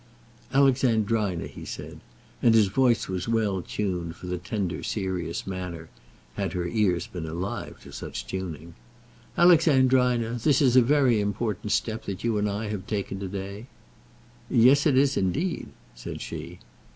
"Alexandrina," he said, and his voice was well tuned for the tender serious manner, had her ears been alive to such tuning. "Alexandrina, this is a very important step that you and I have taken to day." "Yes; it is, indeed," said she.